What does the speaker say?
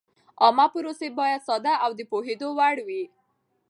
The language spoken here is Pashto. عامه پروسې باید ساده او د پوهېدو وړ وي.